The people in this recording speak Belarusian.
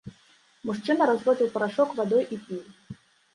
Мужчына разводзіў парашок вадой і піў.